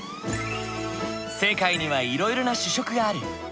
世界にはいろいろな主食がある。